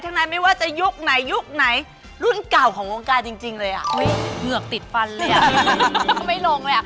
จำได้ใช่ไหมละเพลง